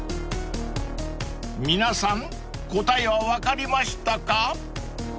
［皆さん答えは分かりましたか？］